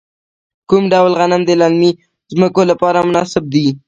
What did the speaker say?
کوم ډول غنم د للمي ځمکو لپاره مناسب دي؟